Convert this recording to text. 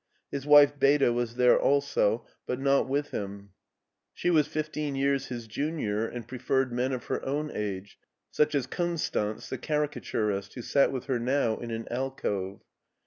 His wife Beda was there also, but not with him: she was fifteen years his junior and pre ferred men of her own age, such as Konstanz, the cari caturist, who sat with her now in an alcove.